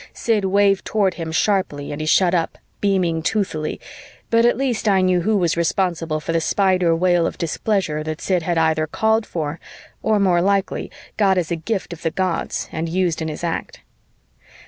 Sid waved toward him sharply and he shut up, beaming toothily, but at least I knew who was responsible for the Spider wail of displeasure that Sid had either called for or more likely got as a gift of the gods and used in his act.